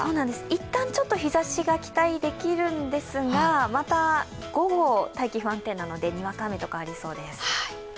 一旦ちょっと日ざしが期待できるんですが、また午後、大気が不安定なのでにわか雨とかありそうです。